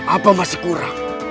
apa masih kurang